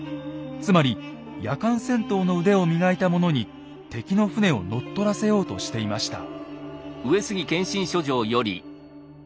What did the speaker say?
つまり夜間戦闘の腕を磨いた者に敵の船を乗っ取らせようとしていました。